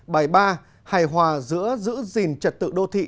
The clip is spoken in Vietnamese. bài ba hài hòa giữa giữ gìn trật tự đô thị